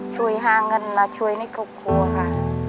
ช่วยหาเงินมาช่วยในครอบครัวค่ะ